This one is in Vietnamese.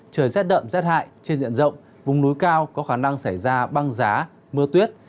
trời rét đậm rét hại trên diện rộng vùng núi cao có khả năng xảy ra băng giá mưa tuyết